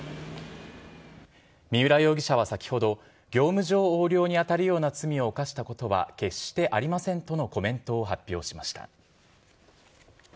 三浦容疑者は先ほど、業務上横領に当たるような罪を犯したことは決してありませんとのコメントを発表しました。